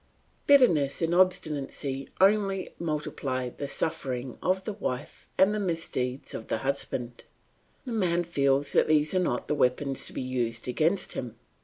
Bitterness and obstinacy only multiply the sufferings of the wife and the misdeeds of the husband; the man feels that these are not the weapons to be used against him.